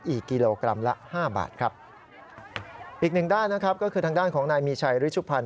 อีกด้านก็คือทางด้านของนายมีชัยฤจุพันธ์